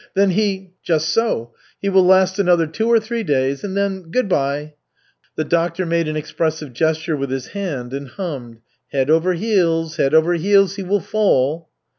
Then he " "Just so. He will last another two or three days, and then good bye!" The doctor made an expressive gesture with his hand and hummed: "Head over heels, head over heels he will fall."